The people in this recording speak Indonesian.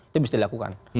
itu bisa dilakukan